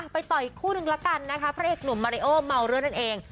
ไปต่ออีกคู่นึงละกันนะคะพระเอกหนุ่มมาริโอเมาด้วยนั่นเอง